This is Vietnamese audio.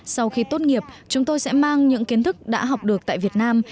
sau khi tốt nghiệp chúng tôi sẽ mang những kiến thức đã học được tại việt nam